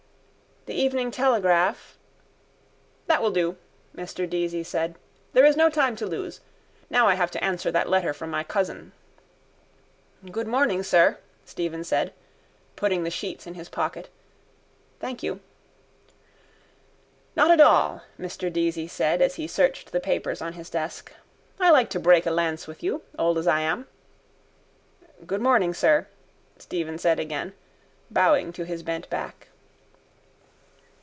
—The Evening Telegraph... —That will do, Mr Deasy said. There is no time to lose. Now I have to answer that letter from my cousin. —Good morning, sir, Stephen said, putting the sheets in his pocket. Thank you. —Not at all, Mr Deasy said as he searched the papers on his desk. I like to break a lance with you, old as I am. —Good morning, sir, Stephen said again, bowing to his bent back.